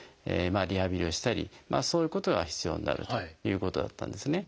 リハビリをしたりそういうことが必要になるということだったんですね。